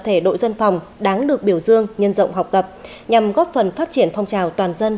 thể đội dân phòng đáng được biểu dương nhân rộng học tập nhằm góp phần phát triển phong trào toàn dân